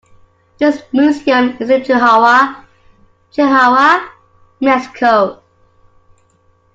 This museum is in Chihuahua, Chihuahua, Mexico.